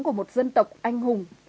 của một dân tộc anh hùng